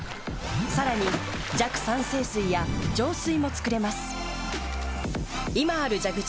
さらに弱酸性水や浄水も作れます。